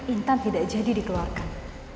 intan tidak jadi dikeluarkan